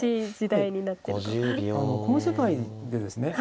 この世界でですね